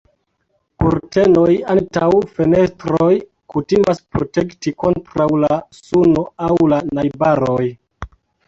Kurtenoj antaŭ fenestroj kutimas protekti kontraŭ la suno aŭ la najbaroj.